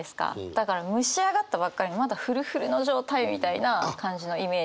だから蒸し上がったばっかりのまだフルフルの状態みたいな感じのイメージ。